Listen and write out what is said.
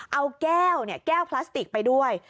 เอาแก้วเนี่ยแก้วพลาสติกไปด้วย